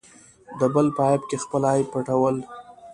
د بل په عیب کې خپل عیب پټول.